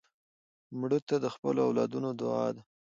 مړه ته د خپلو اولادونو دعا ده